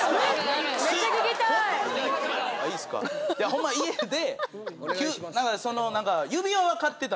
ホンマ家で。